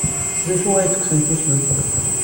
D acu ay yettekksen tusut?